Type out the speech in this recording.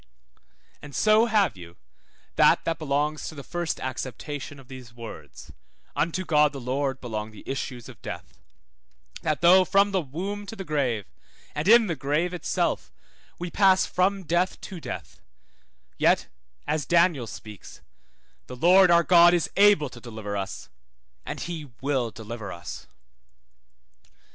And so have you that that belongs to the first acceptation of these words (unto God the Lord belong the issues of death); That though from the womb to the grave, and in the grave itself, we pass from death to death, yet, as Daniel speaks, the Lord our God is able to deliver us, and he will deliver us.